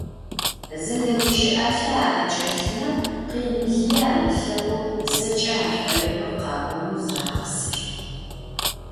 Зэдэгущыӏалъэ аӏэкӏэлъмэ, къин лые амылъэгъоу зэкӏэ ашӏоигъор къаӏонэу зырагъэсэщт.